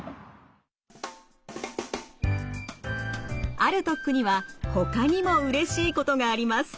歩得にはほかにもうれしいことがあります。